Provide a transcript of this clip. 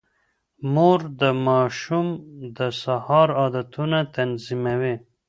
مور د ماشوم د سهار عادتونه تنظيموي.